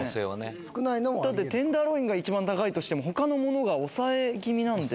だってテンダーロインが一番高いとして他のものが抑え気味なんで。